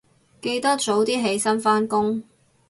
記得早啲起身返工